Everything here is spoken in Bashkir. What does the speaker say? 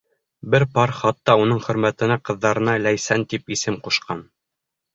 Бер пар хатта уның хөрмәтенә ҡыҙҙарына Ләйсән тип исем ҡушҡан.